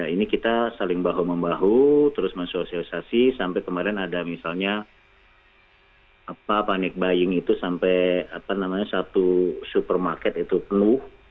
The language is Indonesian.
ini kita saling bahu membahu terus mensosialisasi sampai kemarin ada misalnya panic buying itu sampai satu supermarket itu penuh